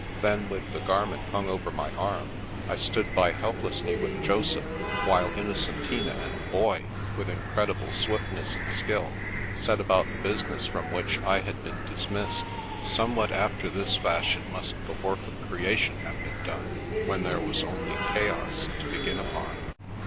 Then, with the garment hung over my arm, I stood by helplessly with Joseph, while Innocentina and the Boy, with incredible swiftness and skill, set about the business from which I had been dismissed. Somewhat after this fashion must the work of Creation have been done, when there was only Chaos to begin upon.